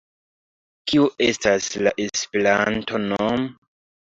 Kio estas la Esperanto-nomo?